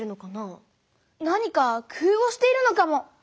何かくふうをしているのかも。